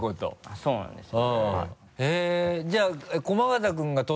そうなんですよ。